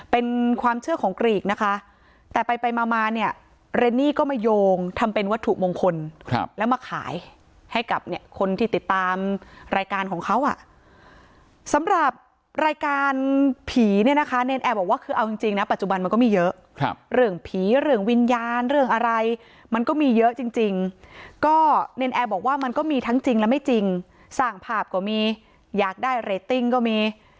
เป็นความเชื่อของกรีกนะคะแต่ไปไปมามาเนี่ยเรนนี่ก็มาโยงทำเป็นวัตถุมงคลแล้วมาขายให้กับเนี่ยคนที่ติดตามรายการของเขาอ่ะสำหรับรายการผีเนี่ยนะคะเนรนแอร์บอกว่าคือเอาจริงนะปัจจุบันมันก็มีเยอะครับเรื่องผีเรื่องวิญญาณเรื่องอะไรมันก็มีเยอะจริงจริงก็เนรนแอร์บอกว่ามันก็มีทั้งจริงและไม่จริงสร้างภาพก็มีอยากได้เรตติ้งก็มี